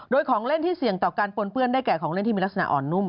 โดยของเล่นที่เสี่ยงต่อการปนเปื้อนได้แก่ของเล่นที่มีลักษณะอ่อนนุ่ม